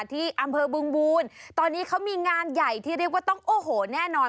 ที่อำเภอบึงบูลตอนนี้เขามีงานใหญ่ที่เรียกว่าต้องโอ้โหแน่นอน